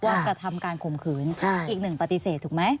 กระทำการข่มขืนอีกหนึ่งปฏิเสธถูกไหม